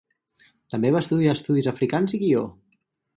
També va estudiar estudis africans i guió.